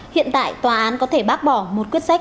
hiện tại tòa án có thể bác bỏ một quyết sách